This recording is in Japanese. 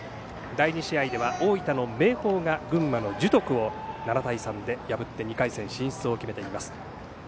第２試合では大分の明豊が群馬の樹徳を７対３で破って２回戦進出を決めています。